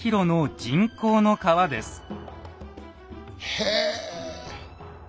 へえ！